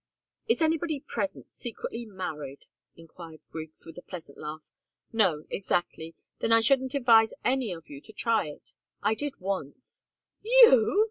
"Is anybody present secretly married?" enquired Griggs, with a pleasant laugh. "No exactly then I shouldn't advise any of you to try it. I did once " "You!"